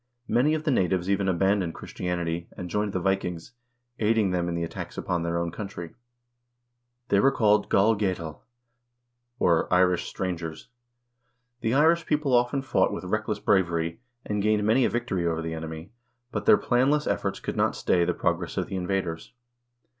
Many of the natives even abandoned Chris tianity, and joined the Vikings, aiding them in the attacks upon their own country. They were called " Gall Gsedhel" or "Irish strangers." The Irish people often fought with reckless bravery, and gained many a victory over the enemy, but their planless efforts could not stay the progress of the invaders.